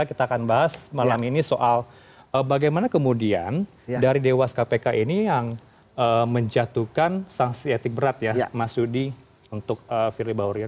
kita akan bahas malam ini soal bagaimana kemudian dari dewas kpk ini yang menjatuhkan sanksi etik berat ya mas yudi untuk firly bahuri